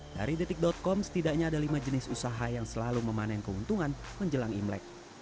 dari detik com setidaknya ada lima jenis usaha yang selalu memanen keuntungan menjelang imlek